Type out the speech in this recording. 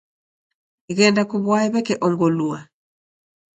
Ghenda kuw'aye w'eke ongolua.